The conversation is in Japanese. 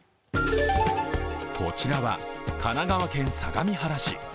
こちらは神奈川県相模原市。